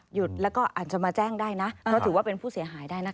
หยุดแล้วก็อาจจะมาแจ้งได้นะเพราะถือว่าเป็นผู้เสียหายได้นะคะ